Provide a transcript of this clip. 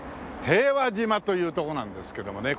平和島という所なんですけどもね。